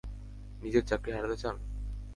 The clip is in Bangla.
নিজের চাকরি হারাতে চান?